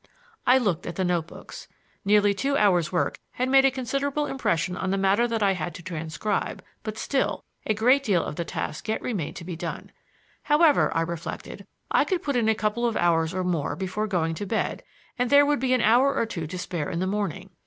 I looked at the notebooks. Nearly two hours' work had made a considerable impression on the matter that I had to transcribe, but still, a great deal of the task yet remained to be done. However, I reflected, I could put in a couple of hours or more before going to bed and there would be an hour or two to spare in the morning.